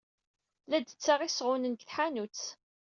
La d-tessaɣ isɣunen seg tḥanut.